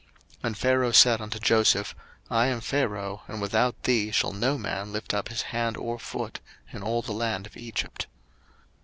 01:041:044 And Pharaoh said unto Joseph, I am Pharaoh, and without thee shall no man lift up his hand or foot in all the land of Egypt.